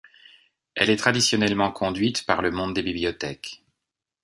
Elle est traditionnellement conduite par le monde des bibliothèques.